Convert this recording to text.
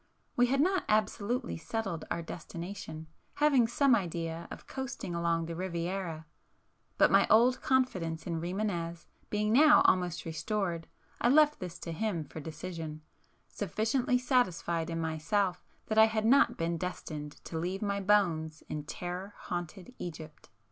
We had not absolutely settled our destination, having some idea of coasting along the Riviera,—but my old confidence in Rimânez being now almost restored, I left this to him for decision, sufficiently satisfied in myself that I had not been destined to leave my bones in terror haunted Egypt.